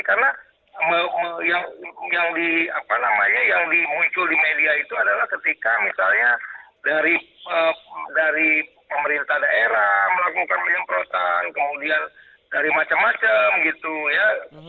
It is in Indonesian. karena yang di apa namanya yang di muncul di media itu adalah ketika misalnya dari pemerintah daerah melakukan penyemprotan kemudian dari macam macam gitu ya